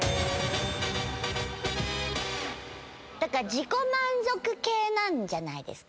自己満足系なんじゃないですか？